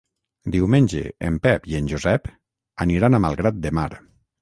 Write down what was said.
Diumenge en Pep i en Josep aniran a Malgrat de Mar.